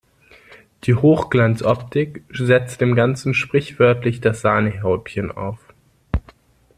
Die Hochglanzoptik setzt dem Ganzen sprichwörtlich das Sahnehäubchen auf.